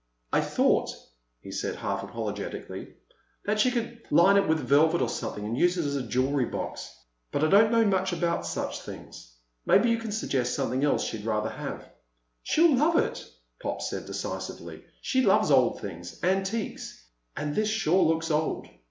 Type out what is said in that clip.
"I thought," he said half apologetically, "that she could line it with velvet or something and use it for a jewel box. But I don't know much about such things. Maybe you can suggest something else she'd rather have." "She'll love it," Pop said decisively. "She loves old things—antiques. And this sure looks old."